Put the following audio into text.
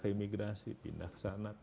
ke imigrasi pindah ke sana